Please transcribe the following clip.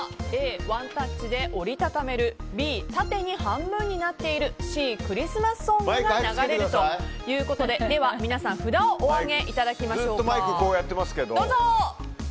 Ａ、ワンタッチで折りたためるＢ、縦に半分になっているＣ、クリスマスソングが流れるということででは皆さん札をお上げいただきましょう。